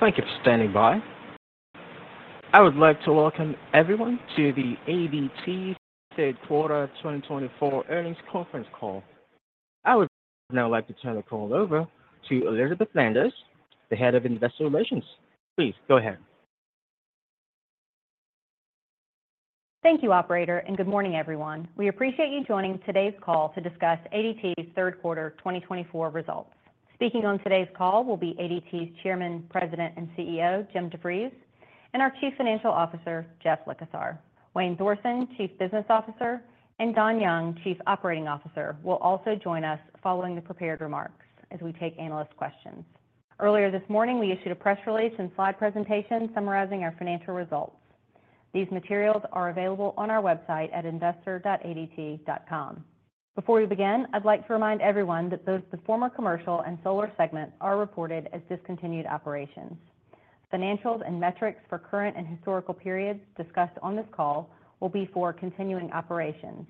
Thank you for standing by. I would like to welcome everyone to the ADT Third Quarter 2024 Earnings Conference Call. I would now like to turn the call over to Elizabeth Landers, the Head of Investor Relations. Please go ahead. Thank you, operator, and good morning, everyone. We appreciate you joining today's call to discuss ADT's Third Quarter 2024 Results. Speaking on today's call will be ADT's Chairman, President, and CEO, Jim DeVries, and our Chief Financial Officer, Jeff Likosar. Wayne Thorsen, Chief Business Officer, and Don Young, Chief Operating Officer, will also join us following the prepared remarks as we take analyst questions. Earlier this morning, we issued a press release and slide presentation summarizing our financial results. These materials are available on our website at investor.adt.com. Before we begin, I'd like to remind everyone that the former commercial and solar segments are reported as discontinued operations. Financials and metrics for current and historical periods discussed on this call will be for continuing operations,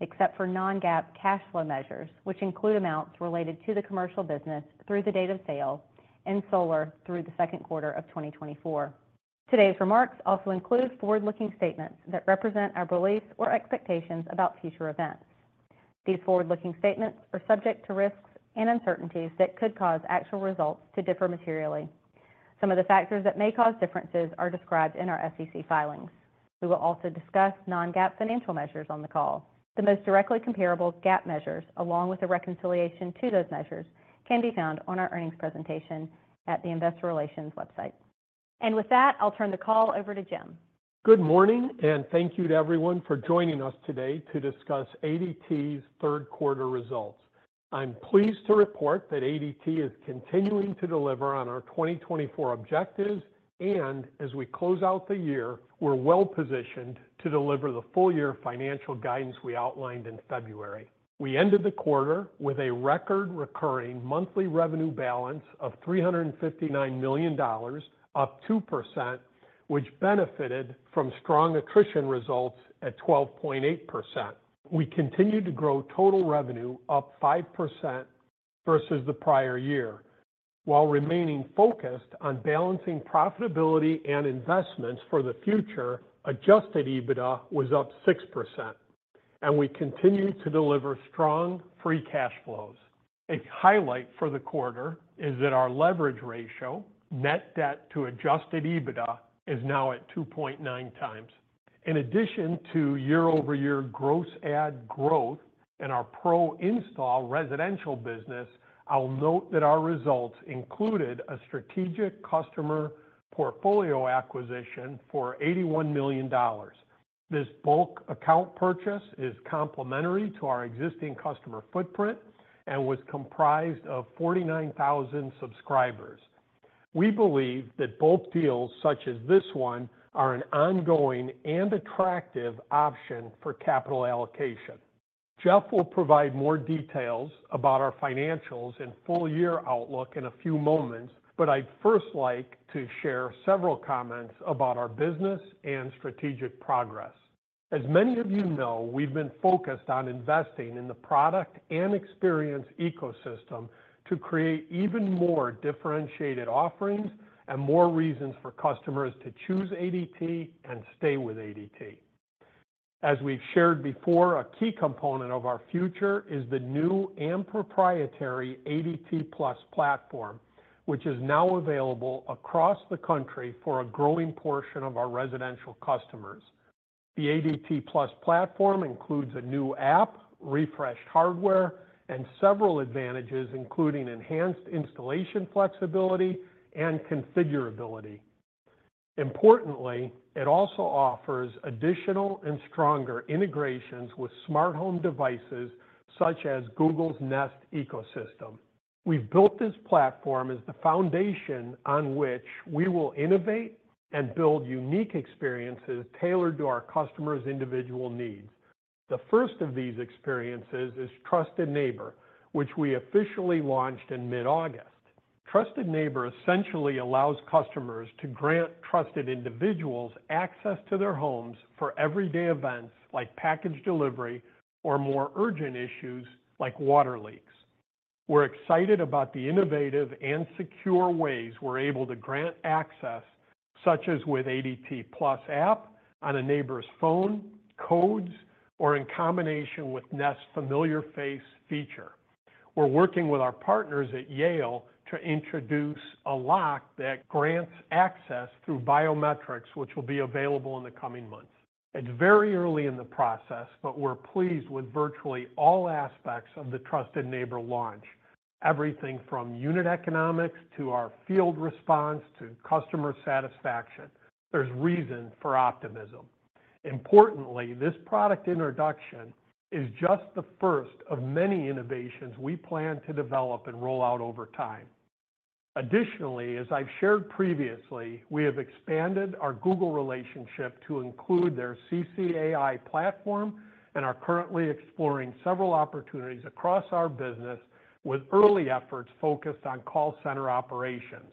except for non-GAAP cash flow measures, which include amounts related to the commercial business through the date of sale and solar through the second quarter of 2024. Today's remarks also include forward-looking statements that represent our beliefs or expectations about future events. These forward-looking statements are subject to risks and uncertainties that could cause actual results to differ materially. Some of the factors that may cause differences are described in our SEC filings. We will also discuss non-GAAP financial measures on the call. The most directly comparable GAAP measures, along with a reconciliation to those measures, can be found on our earnings presentation at the Investor Relations website, and with that, I'll turn the call over to Jim. Good morning, and thank you to everyone for joining us today to discuss ADT's third quarter results. I'm pleased to report that ADT is continuing to deliver on our 2024 objectives, and as we close out the year, we're well-positioned to deliver the full-year financial guidance we outlined in February. We ended the quarter with a record recurring monthly revenue balance of $359 million, up 2%, which benefited from strong attrition results at 12.8%. We continued to grow total revenue up 5% versus the prior year, while remaining focused on balancing profitability and investments for the future. Adjusted EBITDA was up 6%, and we continued to deliver strong free cash flows. A highlight for the quarter is that our leverage ratio, net debt to Adjusted EBITDA, is now at 2.9 times. In addition to year-over-year gross add growth and our pro install residential business, I'll note that our results included a strategic customer portfolio acquisition for $81 million. This bulk account purchase is complementary to our existing customer footprint and was comprised of 49,000 subscribers. We believe that both deals, such as this one, are an ongoing and attractive option for capital allocation. Jeff will provide more details about our financials and full-year outlook in a few moments, but I'd first like to share several comments about our business and strategic progress. As many of you know, we've been focused on investing in the product and experience ecosystem to create even more differentiated offerings and more reasons for customers to choose ADT and stay with ADT. As we've shared before, a key component of our future is the new and proprietary ADT+ platform, which is now available across the country for a growing portion of our residential customers. The ADT+ platform includes a new app, refreshed hardware, and several advantages, including enhanced installation flexibility and configurability. Importantly, it also offers additional and stronger integrations with smart home devices such as Google Nest ecosystem. We've built this platform as the foundation on which we will innovate and build unique experiences tailored to our customers' individual needs. The first of these experiences is Trusted Neighbor, which we officially launched in mid-August. Trusted Neighbor essentially allows customers to grant trusted individuals access to their homes for everyday events like package delivery or more urgent issues like water leaks. We're excited about the innovative and secure ways we're able to grant access, such as with ADT+ app on a neighbor's phone, codes, or in combination with Nest's Familiar Face feature. We're working with our partners at Yale to introduce a lock that grants access through biometrics, which will be available in the coming months. It's very early in the process, but we're pleased with virtually all aspects of the Trusted Neighbor launch. Everything from unit economics to our field response to customer satisfaction. There's reason for optimism. Importantly, this product introduction is just the first of many innovations we plan to develop and roll out over time. Additionally, as I've shared previously, we have expanded our Google relationship to include their CCAI platform and are currently exploring several opportunities across our business with early efforts focused on call center operations.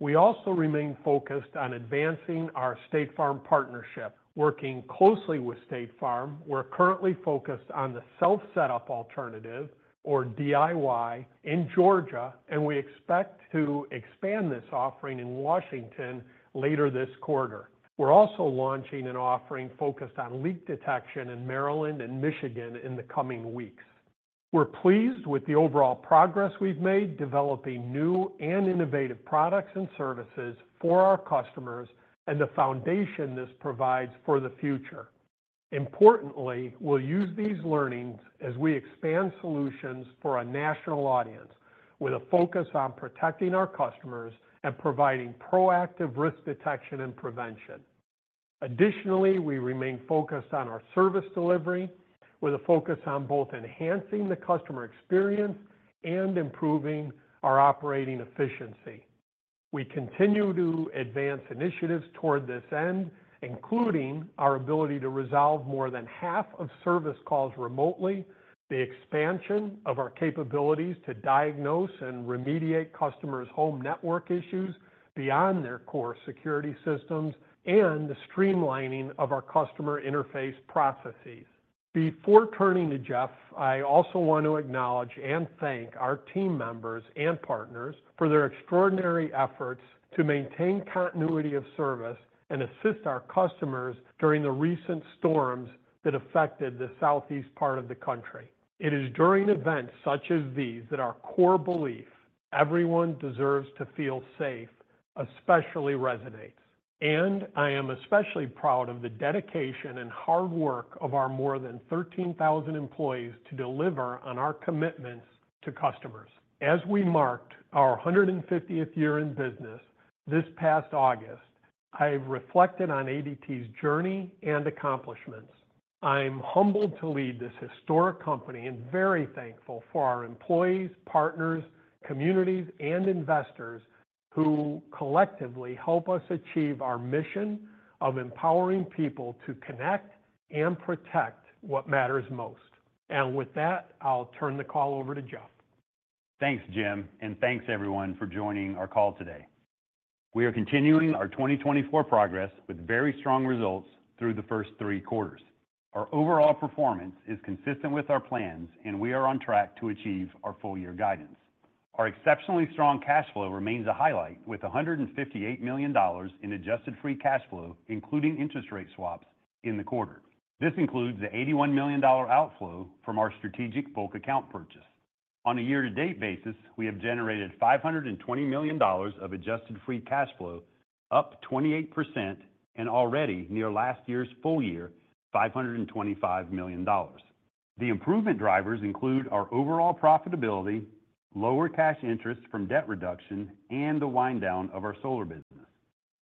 We also remain focused on advancing our State Farm partnership. Working closely with State Farm, we're currently focused on the self-setup alternative, or DIY, in Georgia, and we expect to expand this offering in Washington later this quarter. We're also launching an offering focused on leak detection in Maryland and Michigan in the coming weeks. We're pleased with the overall progress we've made developing new and innovative products and services for our customers and the foundation this provides for the future. Importantly, we'll use these learnings as we expand solutions for a national audience, with a focus on protecting our customers and providing proactive risk detection and prevention. Additionally, we remain focused on our service delivery, with a focus on both enhancing the customer experience and improving our operating efficiency. We continue to advance initiatives toward this end, including our ability to resolve more than half of service calls remotely, the expansion of our capabilities to diagnose and remediate customers' home network issues beyond their core security systems, and the streamlining of our customer interface processes. Before turning to Jeff, I also want to acknowledge and thank our team members and partners for their extraordinary efforts to maintain continuity of service and assist our customers during the recent storms that affected the southeast part of the country. It is during events such as these that our core belief, everyone deserves to feel safe, especially resonates. And I am especially proud of the dedication and hard work of our more than thirteen thousand employees to deliver on our commitments to customers. As we marked our hundred and fiftieth year in business this past August, I've reflected on ADT's journey and accomplishments. I'm humbled to lead this historic company and very thankful for our employees, partners, communities, and investors who collectively help us achieve our mission of empowering people to connect and protect what matters most, and with that, I'll turn the call over to Jeff. Thanks, Jim, and thanks everyone for joining our call today. We are continuing our 2024 progress with very strong results through the first three quarters. Our overall performance is consistent with our plans, and we are on track to achieve our full year guidance. Our exceptionally strong cash flow remains a highlight, with $158 million in Adjusted Free Cash flow, including interest rate swaps in the quarter. This includes the $81 million outflow from our strategic bulk account purchase. On a year-to-date basis, we have generated $520 million of adjusted Free Cash flow, up 28% and already near last year's full year, $525 million. The improvement drivers include our overall profitability, lower cash interest from debt reduction, and the wind down of our solar business.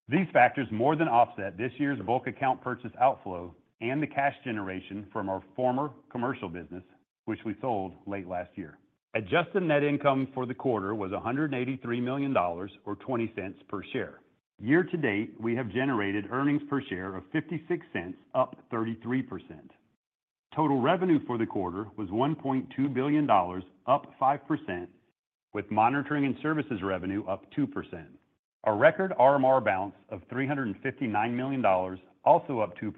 These factors more than offset this year's bulk account purchase outflow and the cash generation from our former commercial business, which we sold late last year. Adjusted net income for the quarter was $183 million or 20 cents per share. Year to date, we have generated earnings per share of 56 cents, up 33%. Total revenue for the quarter was $1.2 billion, up 5%, with monitoring and services revenue up 2%. Our record RMR balance of $359 million, also up 2%,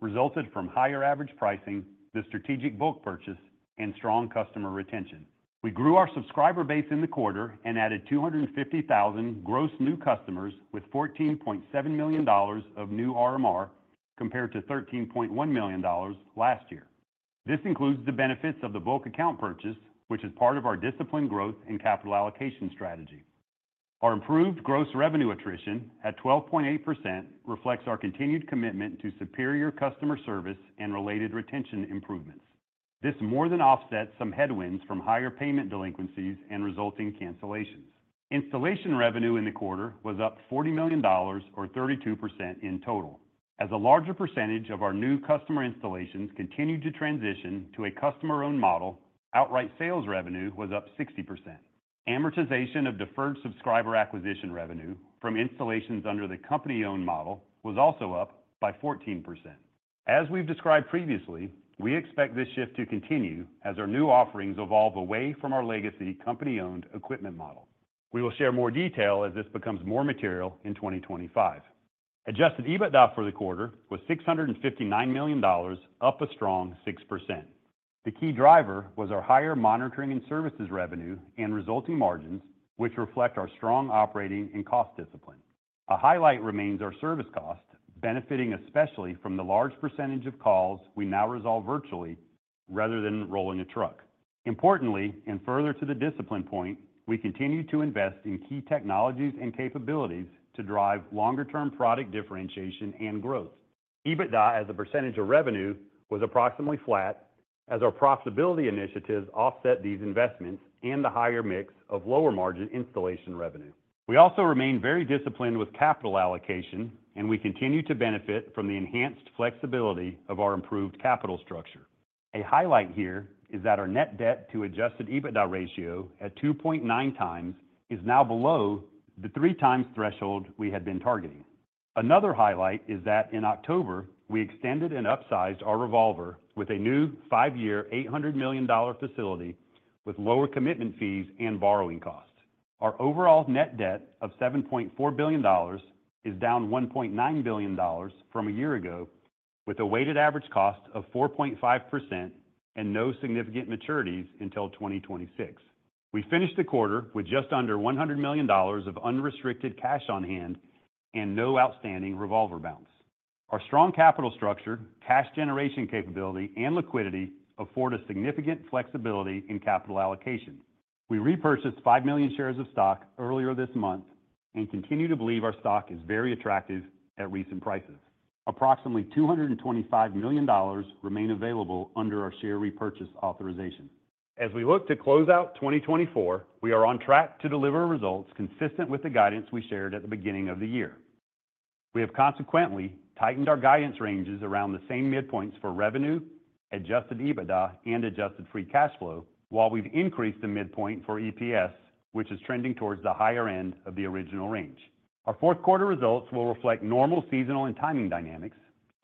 resulted from higher average pricing, the strategic bulk purchase, and strong customer retention. We grew our subscriber base in the quarter and added 250,000 gross new customers with $14.7 million of new RMR, compared to $13.1 million last year. This includes the benefits of the bulk account purchase, which is part of our disciplined growth and capital allocation strategy. Our improved gross revenue attrition at 12.8% reflects our continued commitment to superior customer service and related retention improvements. This more than offsets some headwinds from higher payment delinquencies and resulting cancellations. Installation revenue in the quarter was up $40 million, or 32% in total. As a larger percentage of our new customer installations continued to transition to a customer-owned model, outright sales revenue was up 60%. Amortization of deferred subscriber acquisition revenue from installations under the company-owned model was also up by 14%. As we've described previously, we expect this shift to continue as our new offerings evolve away from our legacy company-owned equipment model. We will share more detail as this becomes more material in 2025. Adjusted EBITDA for the quarter was $659 million, up a strong 6%. The key driver was our higher monitoring and services revenue and resulting margins, which reflect our strong operating and cost discipline. A highlight remains our service cost, benefiting especially from the large percentage of calls we now resolve virtually rather than rolling a truck. Importantly, and further to the discipline point, we continue to invest in key technologies and capabilities to drive longer-term product differentiation and growth. EBITDA, as a percentage of revenue, was approximately flat as our profitability initiatives offset these investments and the higher mix of lower-margin installation revenue. We also remain very disciplined with capital allocation, and we continue to benefit from the enhanced flexibility of our improved capital structure. A highlight here is that our net debt to Adjusted EBITDA ratio at 2.9 times is now below the 3 times threshold we had been targeting. Another highlight is that in October, we extended and upsized our revolver with a new five-year, $800 million facility with lower commitment fees and borrowing costs. Our overall net debt of $7.4 billion is down $1.9 billion from a year ago, with a weighted average cost of 4.5% and no significant maturities until 2026. We finished the quarter with just under $100 million of unrestricted cash on hand and no outstanding revolver balance. Our strong capital structure, cash generation capability, and liquidity afford us significant flexibility in capital allocation. We repurchased 5 million shares of stock earlier this month and continue to believe our stock is very attractive at recent prices. Approximately $225 million remain available under our share repurchase authorization. As we look to close out 2024, we are on track to deliver results consistent with the guidance we shared at the beginning of the year. We have consequently tightened our guidance ranges around the same midpoints for revenue, Adjusted EBITDA, and Adjusted Free Cash Flow, while we've increased the midpoint for EPS, which is trending towards the higher end of the original range. Our fourth quarter results will reflect normal seasonal and timing dynamics.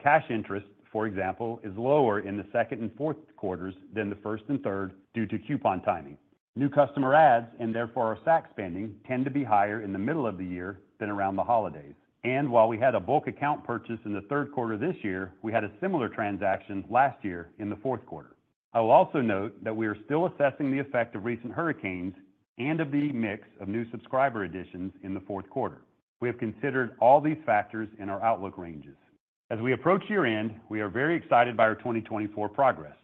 Cash interest, for example, is lower in the second and fourth quarters than the first and third due to coupon timing. New customer adds, and therefore our SAC spending, tend to be higher in the middle of the year than around the holidays, and while we had a bulk account purchase in the third quarter this year, we had a similar transaction last year in the fourth quarter. I will also note that we are still assessing the effect of recent hurricanes and of the mix of new subscriber additions in the fourth quarter. We have considered all these factors in our outlook ranges. As we approach year-end, we are very excited by our 2024 progress.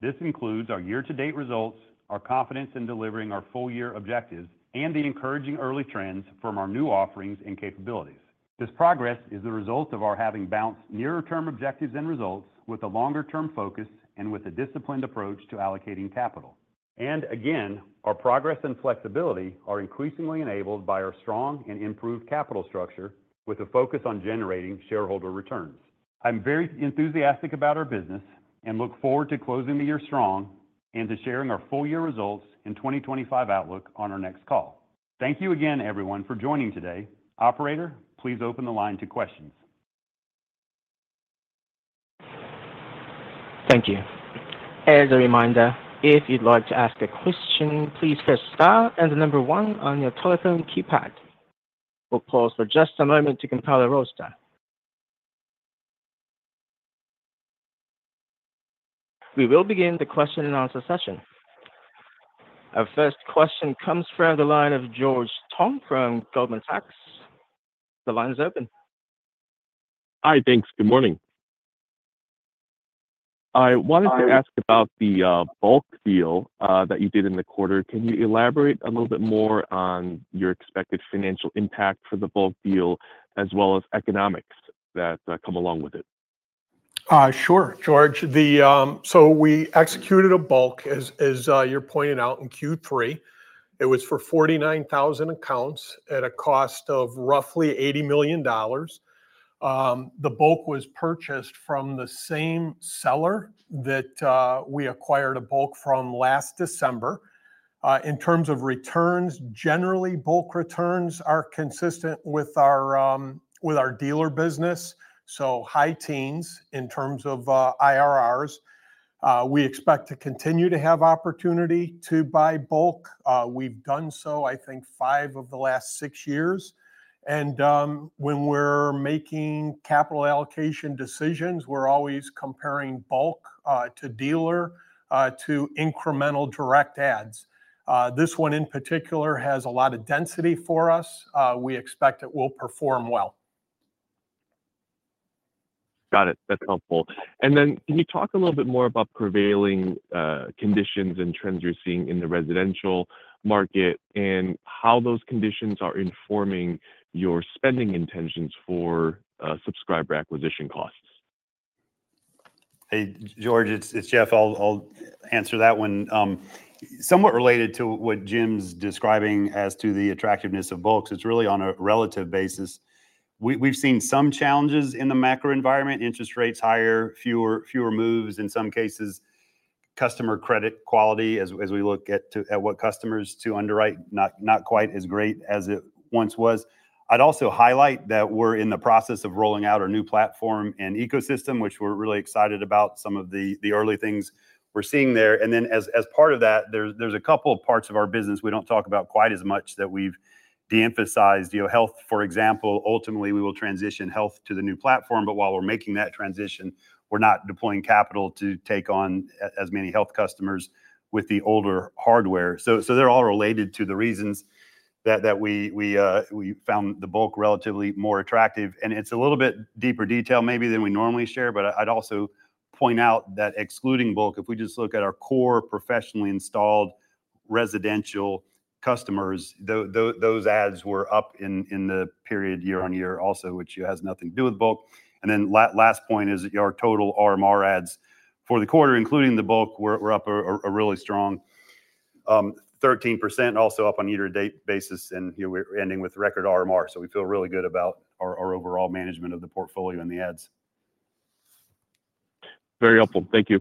This includes our year-to-date results, our confidence in delivering our full-year objectives, and the encouraging early trends from our new offerings and capabilities. This progress is the result of our having balanced nearer-term objectives and results with a longer-term focus and with a disciplined approach to allocating capital. And again, our progress and flexibility are increasingly enabled by our strong and improved capital structure, with a focus on generating shareholder returns. I'm very enthusiastic about our business and look forward to closing the year strong and to sharing our full-year results and 2025 outlook on our next call. Thank you again, everyone, for joining today. Operator, please open the line to questions. Thank you. As a reminder, if you'd like to ask a question, please press star and the number one on your telephone keypad. We'll pause for just a moment to compile a roster. We will begin the question and answer session. Our first question comes from the line of George Tong from Goldman Sachs. The line is open. Hi, thanks. Good morning. I wanted to ask about the bulk deal that you did in the quarter. Can you elaborate a little bit more on your expected financial impact for the bulk deal, as well as economics that come along with it? Sure, George. So we executed a bulk, as you're pointing out, in Q3. It was for 49,000 accounts at a cost of roughly $80 million. The bulk was purchased from the same seller that we acquired a bulk from last December. In terms of returns, generally, bulk returns are consistent with our dealer business, so high teens in terms of IRRs. We expect to continue to have opportunity to buy bulk. We've done so, I think, 5 of the last 6 years. And when we're making capital allocation decisions, we're always comparing bulk to dealer to incremental direct adds. This one in particular has a lot of density for us. We expect it will perform well. Got it. That's helpful. And then, can you talk a little bit more about prevailing conditions and trends you're seeing in the residential market, and how those conditions are informing your spending intentions for subscriber acquisition costs? Hey, George, it's Jeff. I'll answer that one. Somewhat related to what Jim's describing as to the attractiveness of bulks, it's really on a relative basis. We've seen some challenges in the macro environment: interest rates higher, fewer moves in some cases, customer credit quality, as we look at what customers to underwrite, not quite as great as it once was. I'd also highlight that we're in the process of rolling out our new platform and ecosystem, which we're really excited about some of the early things we're seeing there. And then, as part of that, there's a couple of parts of our business we don't talk about quite as much that we've de-emphasized. You know, health, for example, ultimately, we will transition health to the new platform, but while we're making that transition, we're not deploying capital to take on as many health customers with the older hardware. So, they're all related to the reasons that we found the bulk relatively more attractive. And it's a little bit deeper detail maybe than we normally share, but I'd also point out that excluding bulk, if we just look at our core, professionally installed residential customers, those adds were up in the period year on year also, which has nothing to do with bulk. And then last point is that our total RMR adds for the quarter, including the bulk, were up a really strong 13%, also up on a year-to-date basis, and, you know, we're ending with record RMR. So we feel really good about our overall management of the portfolio and the adds. Very helpful. Thank you. ...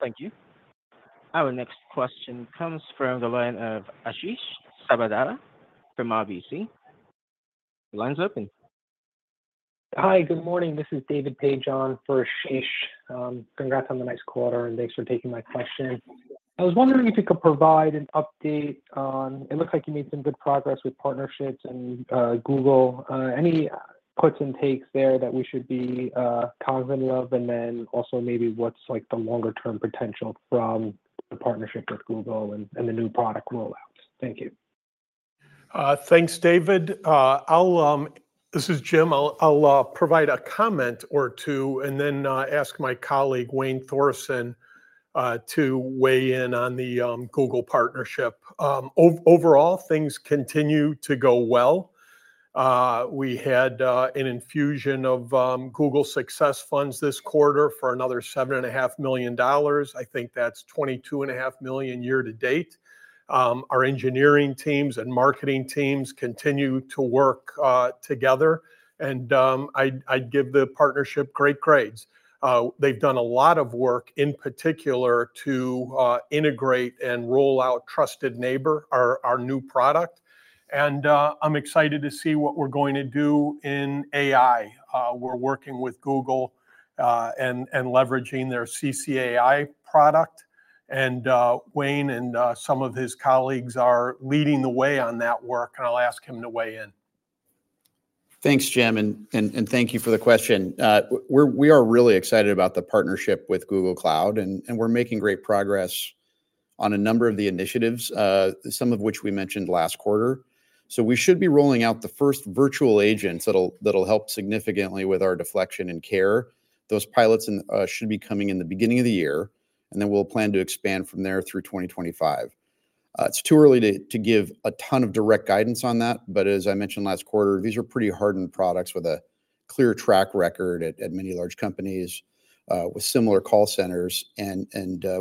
Thank you. Our next question comes from the line of Ashish Sabadra from RBC. The line's open. Hi, good morning. This is David Paige on for Ashish. Congrats on the nice quarter, and thanks for taking my question. I was wondering if you could provide an update. It looks like you made some good progress with partnerships and Google. Any puts and takes there that we should be cognizant of? And then also maybe what's, like, the longer-term potential from the partnership with Google and the new product roll-outs? Thank you. Thanks, David. This is Jim. I'll provide a comment or two, and then ask my colleague, Wayne Thorson, to weigh in on the Google partnership. Overall, things continue to go well. We had an infusion of Google Success Funds this quarter for another $7.5 million. I think that's $22.5 million year to date. Our engineering teams and marketing teams continue to work together, and I'd give the partnership great grades. They've done a lot of work, in particular, to integrate and roll out Trusted Neighbor, our new product, and I'm excited to see what we're going to do in AI. We're working with Google, and leveraging their CCAI product, and Wayne and some of his colleagues are leading the way on that work, and I'll ask him to weigh in. Thanks, Jim, and thank you for the question. We are really excited about the partnership with Google Cloud, and we're making great progress on a number of the initiatives, some of which we mentioned last quarter. We should be rolling out the first virtual agents that'll help significantly with our deflection and care. Those pilots should be coming in the beginning of the year, and then we'll plan to expand from there through 2025. It's too early to give a ton of direct guidance on that, but as I mentioned last quarter, these are pretty hardened products with a clear track record at many large companies with similar call centers. And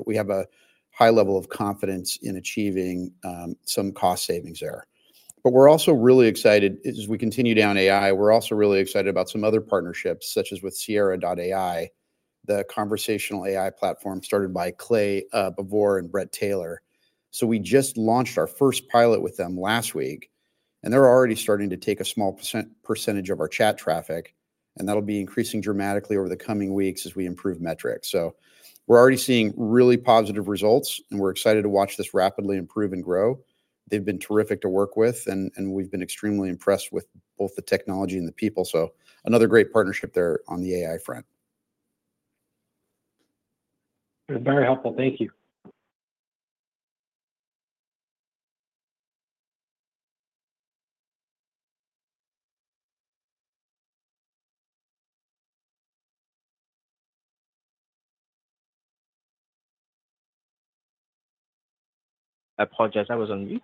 we have a high level of confidence in achieving some cost savings there. But we're also really excited, as we continue down AI. We're also really excited about some other partnerships, such as with Sierra, the conversational AI platform started by Clay Bavor and Bret Taylor. So we just launched our first pilot with them last week, and they're already starting to take a small percentage of our chat traffic, and that'll be increasing dramatically over the coming weeks as we improve metrics. So we're already seeing really positive results, and we're excited to watch this rapidly improve and grow. They've been terrific to work with, and we've been extremely impressed with both the technology and the people, so another great partnership there on the AI front. It was very helpful. Thank you. I apologize, I was on mute.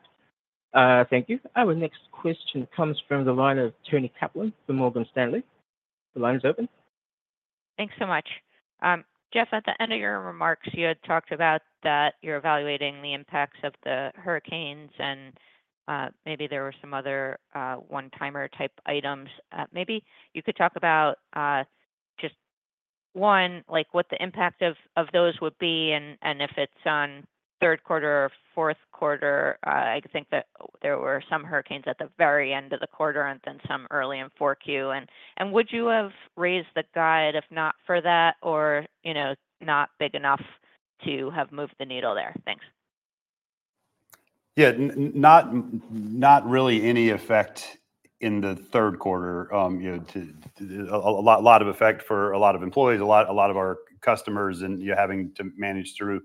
Thank you. Our next question comes from the line of Toni Kaplan from Morgan Stanley. The line is open. Thanks so much. Jeff, at the end of your remarks, you had talked about that you're evaluating the impacts of the hurricanes and maybe there were some other one-timer type items. Maybe you could talk about just one, like, what the impact of those would be and if it's on third quarter or fourth quarter. I think that there were some hurricanes at the very end of the quarter and then some early in 4Q. And would you have raised the guide if not for that or, you know, not big enough to have moved the needle there? Thanks. Yeah. Not really any effect in the third quarter. You know, a lot of effect for a lot of employees, a lot of our customers, and you're having to manage through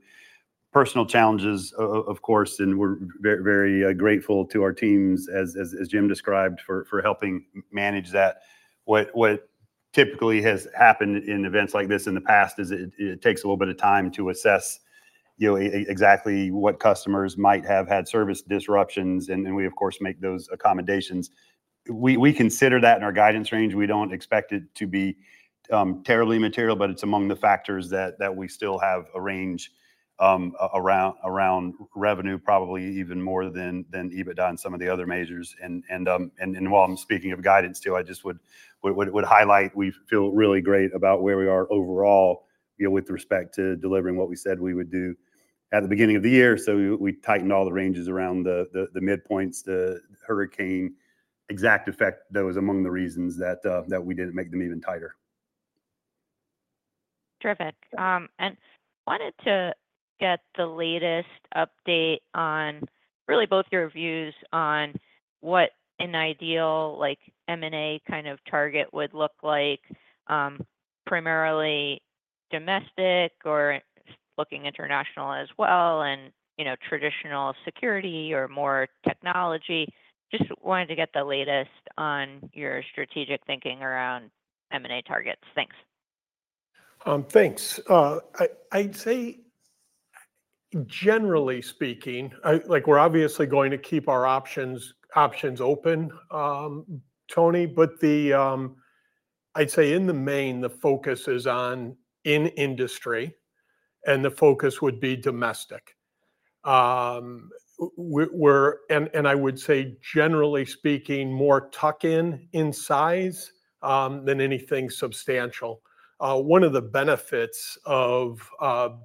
personal challenges, of course, and we're very grateful to our teams as Jim described, for helping manage that. What typically has happened in events like this in the past is it takes a little bit of time to assess, you know, exactly what customers might have had service disruptions, and then we, of course, make those accommodations. We consider that in our guidance range. We don't expect it to be terribly material, but it's among the factors that we still have a range around revenue, probably even more than EBITDA and some of the other measures. While I'm speaking of guidance too, I just would highlight we feel really great about where we are overall, you know, with respect to delivering what we said we would do at the beginning of the year. So we tightened all the ranges around the midpoints. The hurricane's exact effect, though, is among the reasons that we did make them even tighter. Terrific, and wanted to get the latest update on really both your views on what an ideal, like, M&A kind of target would look like, primarily domestic or looking international as well, and, you know, traditional security or more technology. Just wanted to get the latest on your strategic thinking around M&A targets. Thanks. Thanks. I'd say generally speaking, like, we're obviously going to keep our options open, Toni, but I'd say in the main, the focus is on our industry, and the focus would be domestic, and I would say, generally speaking, more tuck-in in size than anything substantial. One of the benefits of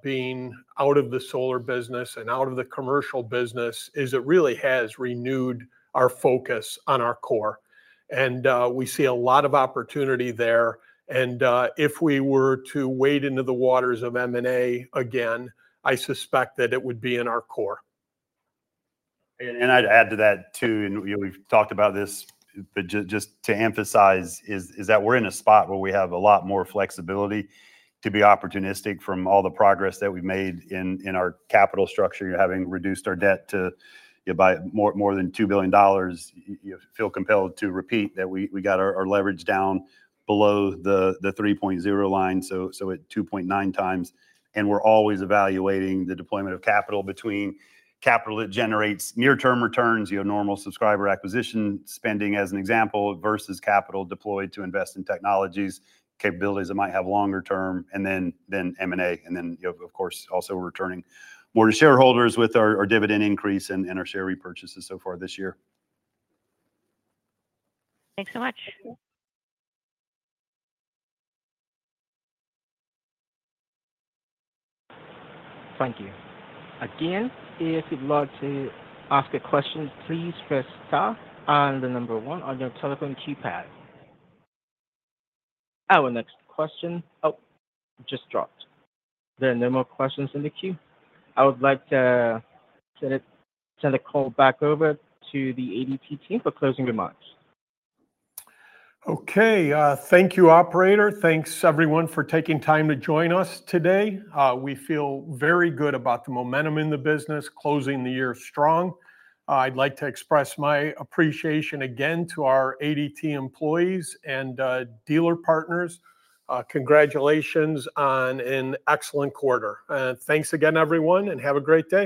being out of the solar business and out of the commercial business is it really has renewed our focus on our core, and we see a lot of opportunity there, and if we were to wade into the waters of M&A again, I suspect that it would be in our core. I'd add to that, too, and you know, we've talked about this, but just to emphasize, is that we're in a spot where we have a lot more flexibility to be opportunistic from all the progress that we've made in our capital structure, having reduced our debt by more than $2 billion. You feel compelled to repeat that we got our leverage down below the 3.0 line, so at 2.9 times, and we're always evaluating the deployment of capital between capital that generates near-term returns, you know, normal subscriber acquisition spending, as an example, versus capital deployed to invest in technologies, capabilities that might have longer term, and then M&A. And then, you know, of course, also returning more to shareholders with our dividend increase and our share repurchases so far this year. Thanks so much. Thank you. Again, if you'd like to ask a question, please press star and the number one on your telephone keypad. Our next question... Oh, just dropped. There are no more questions in the queue. I would like to send it, send the call back over to the ADT team for closing remarks. Okay. Thank you, operator. Thanks everyone for taking time to join us today. We feel very good about the momentum in the business, closing the year strong. I'd like to express my appreciation again to our ADT employees and, dealer partners. Congratulations on an excellent quarter. Thanks again, everyone, and have a great day.